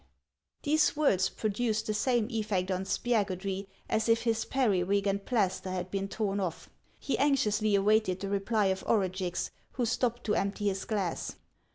" These words produced the same effect on Spiagudry as if his periwig and plaster had been torn off. He anxiously awaited the reply of Orugix, who stopped to empty his glass.